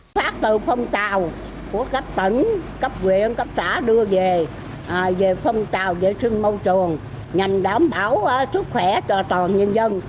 phát từ phong trào của các tỉnh các huyện các xã đưa về phong trào vệ sinh môi trường nhằm đảm bảo sức khỏe cho toàn nhân dân